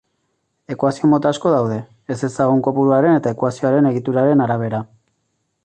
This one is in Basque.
Ekuazio-mota asko daude, ezezagun kopuruaren eta ekuazioaren egituraren arabera.